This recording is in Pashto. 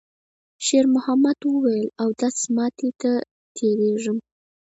شېرمحمد وویل: «اودس ماتی ته تېرېږم.»